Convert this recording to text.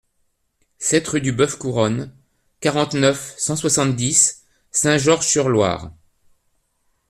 sept rue du Boeuf Couronne, quarante-neuf, cent soixante-dix, Saint-Georges-sur-Loire